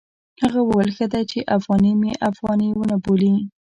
هغه وویل ښه دی چې افغاني مې افغاني ونه بولي.